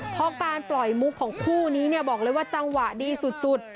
เพราะการปล่อยมุกของคู่นี้เนี่ยบอกเลยว่าจังหวะดีสุด